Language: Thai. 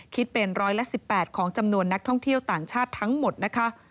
คิดเป็นร้อยละ๑๘ของจำนวนนักท่องเที่ยวต่างชาติทั้งหมดนะคะ